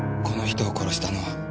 この人を殺したのは。